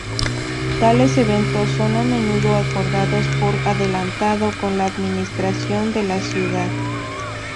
Tales eventos son a menudo acordados por adelantado con la administración de la ciudad.